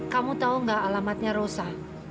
kamu tahu nggak alamatnya rosa